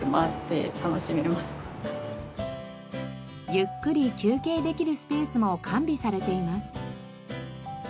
ゆっくり休憩できるスペースも完備されています。